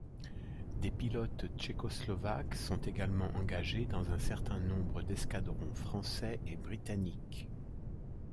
Des pilotes tchécoslovaques sont également engagés dans un certain nombre d'escadrons français et britanniques.